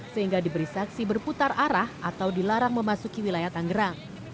sehingga diberi saksi berputar arah atau dilarang memasuki wilayah tangerang